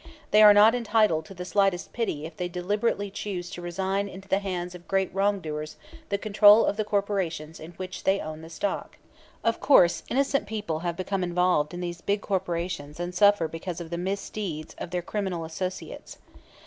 They are not entitled to the slightest pity if they deliberately choose to resign into the hands of great wrongdoers the control of the corporations in which they own the stock. Of course innocent people have become involved in these big corporations and suffer because of the misdeeds of their criminal associates.